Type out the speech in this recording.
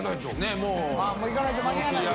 もう行かないと間に合わないよ。